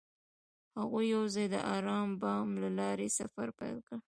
هغوی یوځای د آرام بام له لارې سفر پیل کړ.